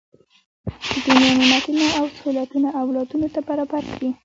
د دنیا نعمتونه او سهولتونه اولادونو ته برابر کړي.